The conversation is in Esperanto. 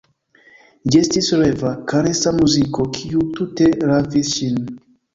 Ĝi estis reva, karesa muziko, kiu tute ravis ŝin.